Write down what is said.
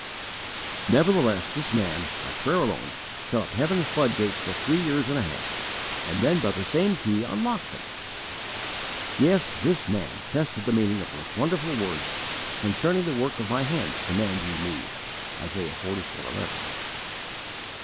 Nevertheless, this man, by prayer alone, shut up heaven's floodgates for three years and a half, and then by the same key unlocked them. Yes, this man tested the meaning of those wonderful words: "concerning the work of My hands command ye Me." (Isaiah xlv. 11.)